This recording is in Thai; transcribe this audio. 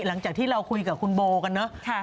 หลังจากที่เราคุยกับคุณโบกันเนอะ